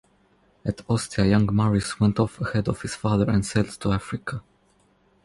At Ostia, young Marius went on ahead of his father and sailed to Africa.